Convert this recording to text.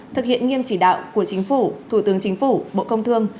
thực hiện nghiêm chỉ đạo của chính phủ thủ tướng chính phủ bộ công thương